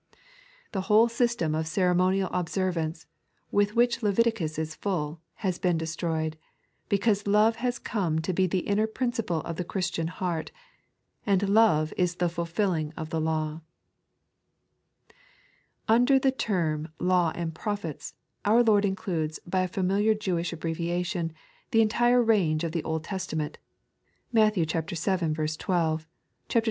The whole system of oeremonia] observance, with which Leviticus is full, has been destroyed, because love has oome to be the inner principle of the Christian heart, and " Love is the fulfi llin g of the Law," Under the term " Lata tmd Prophete " our Lord indudes, by a familiar Jewish abbreviation, the entire range of the Old Testament (Matt, vii, 12; xrii.